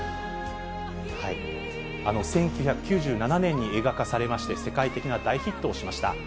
１９９７年に映画化されまして、世界的な大ヒットをしました。